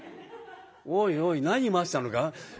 「おいおい何待ってたのか？